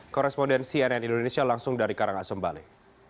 korespondensi rn indonesia langsung dari karangasembali